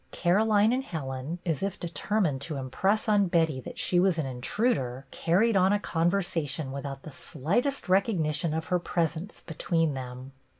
Caroline and Helen, as if determined to im press on Betty that she was an intruder, carried on a conversation without the slight est recognition of her presence between them.